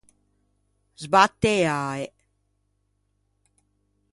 Sbatte e ae.